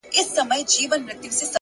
حقیقت ورو خو تل خپل ځان ښکاره کوي!